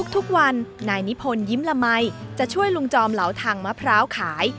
ทุกวันนายนิพนธยิ้มละมัยจะช่วยลุงจอมเหลาทางมะพร้าวขาย